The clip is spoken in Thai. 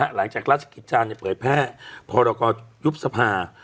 หลังจากราชกิจจานเปล่าเนี่ยพอเราก็ยุบสภา